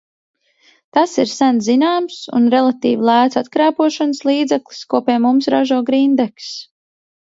Tas ir sen zināms un relatīvi lēts atkrēpošanas līdzeklis, ko pie mums ražo Grindeks.